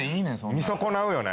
見損なうよね。